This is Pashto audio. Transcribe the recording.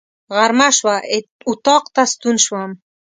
غرمه شوه، اطاق ته ستون شوم.